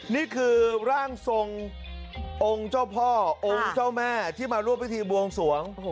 นี่คือร่างทรงองค์เจ้าพ่อองค์เจ้าแม่ที่มาร่วมพิธีบวงสวง